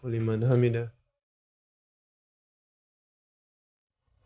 jangan lupa subscribe share komen dan like